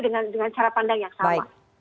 dengan cara pandang yang sama